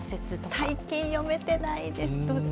最近、読めてないです。